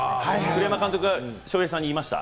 栗山監督、翔平さんに言いました。